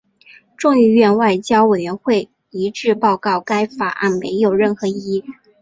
众议院外交委员会一致报告该法案没有任何意义。